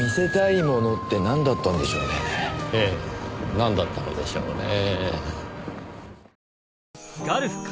なんだったのでしょうねぇ。